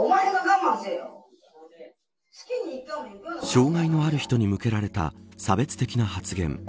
障害のある人に向けられた差別的な発言。